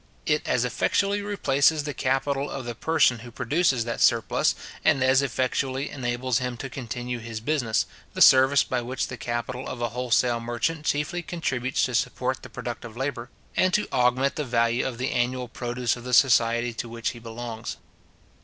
It as effectually replaces the capital of the person who produces that surplus, and as effectually enables him to continue his business, the service by which the capital of a wholesale merchant chiefly contributes to support the productive labour, and to augment the value of the annual produce of the society to which he belongs.